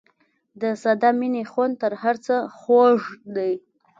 د ساده مینې خوند تر هر څه خوږ دی.